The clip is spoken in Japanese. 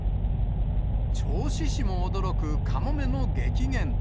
銚子市も驚くカモメの激減。